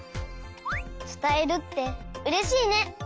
つたえるってうれしいね！